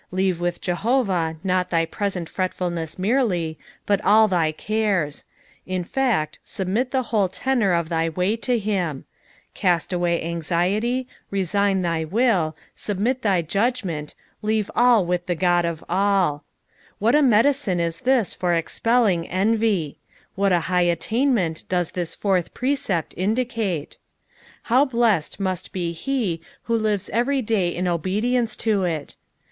Leave with Jehovah not thy present fretfulness merely, but all thy ores i in fact, submit the whole tenor of thy way to him. Cast oway anxiety. ,)glc / 190 EXPOSITIONS OS THE PSA.LU8. reuen th; will, submit thy judgmeDt, leave all with the God of all. What a medicine is this for expelling envy 1 What a high attainment does this ifi<m£^B precept indicate 1 How blessed muat he be who livea every day in obwueBce to it